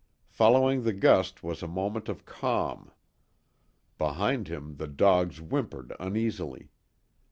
Following the gust was a moment of calm. Behind him the dogs whimpered uneasily.